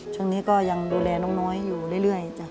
ช่วงนี้ก็ยังดูแลน้องน้อยอยู่เรื่อยจ้ะ